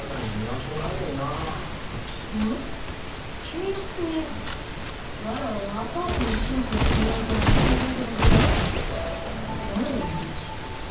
契約といえばわらわはアパートの清水の契約を結んでいるはずであるが何年なのか？